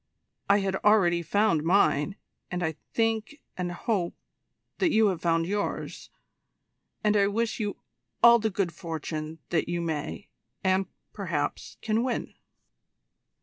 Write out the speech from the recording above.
I had already found mine and I think, and hope, that you have found yours and I wish you all the good fortune that you may, and, perhaps, can win."